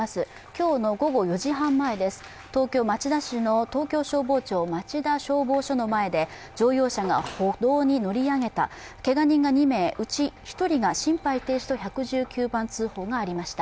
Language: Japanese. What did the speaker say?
今日の午後４時半前です、東京・町田市の東京消防庁町田消防署の前で乗用車が歩道に乗り上げたけが人が２名、うち１人が心肺停止と１１９番通報がありました。